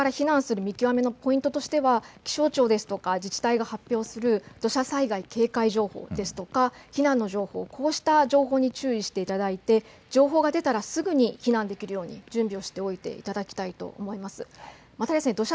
これから避難する見極めのポイントとしては気象庁や自治体が発表する土砂災害警戒情報や避難の情報、こうした情報に注意していただいて情報が出たらすぐに避難できるように準備をしておいていただきたいと思います。